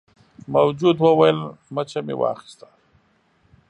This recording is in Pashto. موجود وویل مچه مې واخیسته.